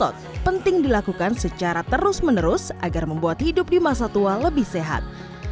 stok penting dilakukan secara terus menerus agar membuat hidup di masa tua lebih sehat